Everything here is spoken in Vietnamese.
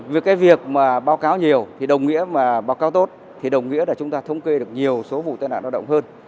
vì cái việc mà báo cáo nhiều thì đồng nghĩa mà báo cáo tốt thì đồng nghĩa là chúng ta thống kê được nhiều số vụ tai nạn lao động hơn